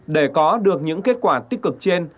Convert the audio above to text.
để có được những kết quả tích cực trên